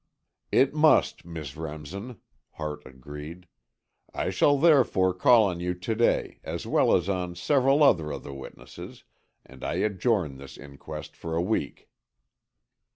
"It must, Miss Remsen," Hart agreed. "I shall therefore call on you to day, as well as on several other of the witnesses, and I adjourn this inquest for a week."